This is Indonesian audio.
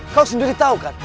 kau sendiri tahu kan